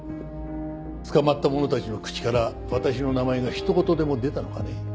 捕まった者たちの口から私の名前がひと言でも出たのかね？